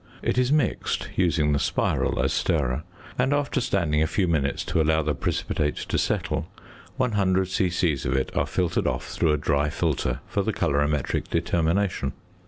It is mixed, using the spiral as stirrer, and, after standing a few minutes to allow the precipitate to settle, 100 c.c. of it are filtered off through a dry filter for the colorimetric determination.